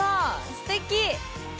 すてき！